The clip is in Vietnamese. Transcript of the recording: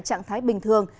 trạng thái bình thường